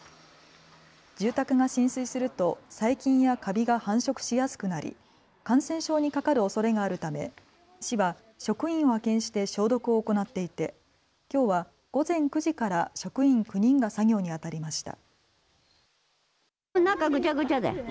住宅が浸水すると細菌やカビが繁殖しやすくなり感染症にかかるおそれがあるため市は職員を派遣して消毒を行っていてきょうは午前９時から職員９人が作業に当たりました。